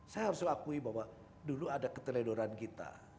saya harus akui bahwa dulu ada keteledoran kita